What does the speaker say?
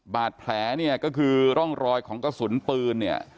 บาดแผลก็คือร่องรอยของกระสุนปืน